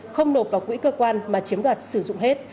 không nộp vào quỹ cơ quan mà chiếm đoạt sử dụng hết